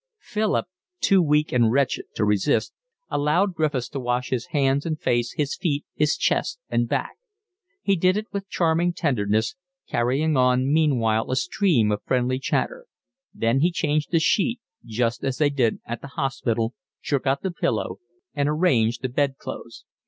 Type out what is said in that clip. Philip, too weak and wretched to resist, allowed Griffiths to wash his hands and face, his feet, his chest and back. He did it with charming tenderness, carrying on meanwhile a stream of friendly chatter; then he changed the sheet just as they did at the hospital, shook out the pillow, and arranged the bed clothes.